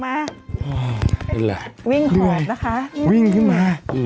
มาโอ้ดูแลวิ่งข่อบนะคะวิ่งขึ้นมาอือ